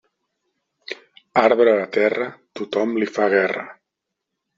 Arbre a terra, tothom li fa guerra.